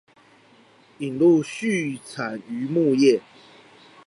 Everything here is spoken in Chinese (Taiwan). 引入畜產漁牧業